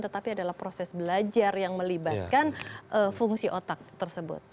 tetapi adalah proses belajar yang melibatkan fungsi otak tersebut